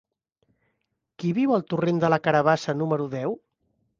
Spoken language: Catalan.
Qui viu al torrent de la Carabassa número deu?